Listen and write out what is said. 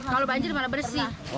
kalau banjir malah bersih